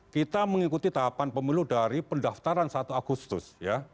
kita mengikuti tahapan pemilu dari pendaftaran satu agustus ya